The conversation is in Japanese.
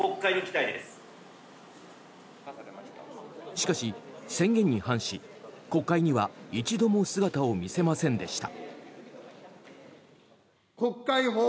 しかし、宣言に反し国会には一度も姿を見せませんでした。